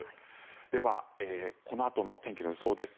ではこのあとの天気の予想です。